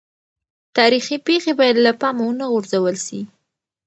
تاریخي پېښې باید له پامه ونه غورځول سي.